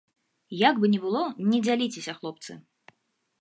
Як бы ні было, не дзяліцеся, хлопцы.